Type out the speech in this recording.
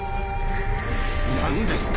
何ですか？